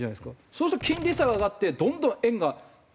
そうすると金利差が上がってどんどん円が安くなっちゃうと。